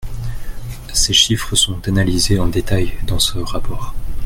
Ces chiffres sont analysés en détail dans ce rapport.